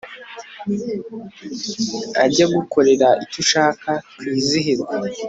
ajye agukorera icyo ushaka twizihirwe